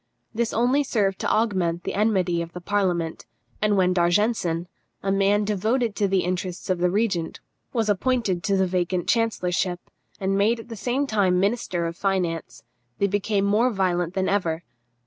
This only served to augment the enmity of the parliament, and when D'Argenson, a man devoted to the interests of the regent, was appointed to the vacant chancellorship, and made at the same time minister of finance, they became more violent than ever.